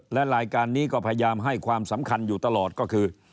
และรายการนี้ก็พยายามให้ความสำคัญอยู่ตลอดก็คือ